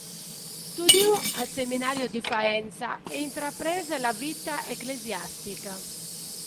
Studiò al Seminario di Faenza e intraprese la vita ecclesiastica.